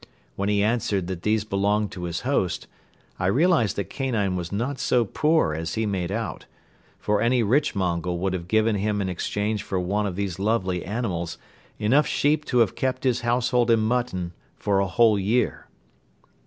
When he answered that these belonged to his host, I realized that Kanine was not so poor as he made out; for any rich Mongol would have given him in exchange for one of these lovely animals enough sheep to have kept his household in mutton for a whole year.